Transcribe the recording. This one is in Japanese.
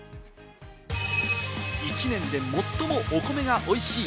１年で最もお米が美味しい